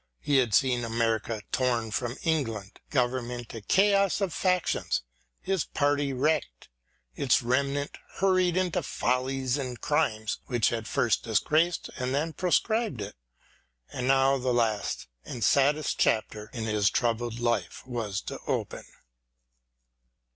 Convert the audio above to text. He had seen America torn from England, Government a chaos of factions, his party wrecked, its remnant hurried 62 EDMUND BURKE into follies and crimes which had first disgraced and then proscribed it. And now the last and saddest chapter in his troubled life was to open.